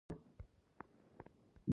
ایران د قیمتي ډبرو تجارت کوي.